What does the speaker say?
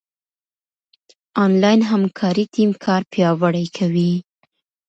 انلاين همکاري ټيم کار پياوړی کوي.